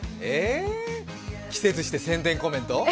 えー、期せずして宣伝コメント？